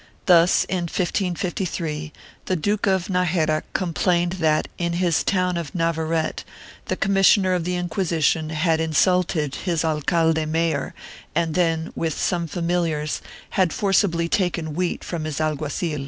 Thus in 1553, the Duke of Najera complained that, in his town of Navarrete, the commissioner of the Inquisition had insulted his alcalde mayor and then, with some familiars, had forcibly taken wheat from his alguazil.